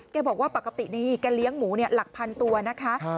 บอกว่าปกติดีแกเลี้ยงหมูหลักพันตัวนะคะ